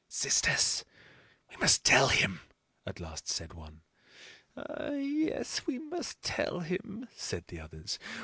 "Sisters, we must tell him," at last said one. "Ah, yes, we must tell him," said the others.